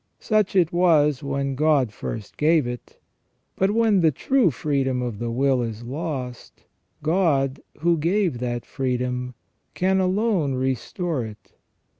Such it was when God first gave it ; but when the true freedom of the will is lost, God, who gave that freedom, can alone restore it.